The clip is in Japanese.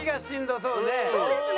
そうですね。